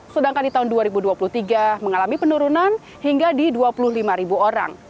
sedangkan di tahun dua ribu dua puluh tiga mengalami penurunan hingga di dua puluh lima ribu orang